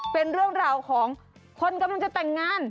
เป็นเรื่องราวของคนกำลังจะแต่งงาน